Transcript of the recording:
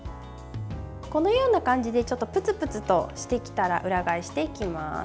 このような感じでちょっとプツプツとしてきたら裏返していきます。